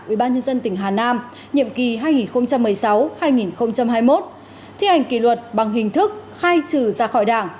ubnd tỉnh hà nam nhiệm kỳ hai nghìn một mươi sáu hai nghìn hai mươi một thi hành kỷ luật bằng hình thức khai trừ ra khỏi đảng